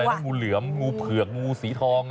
มีงูเหลือมงูผือกงูสีทอง